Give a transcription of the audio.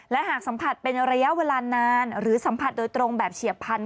และหากสัมผัสเป็นระยะเวลานานหรือสัมผัสโดยตรงแบบเฉียบพันธ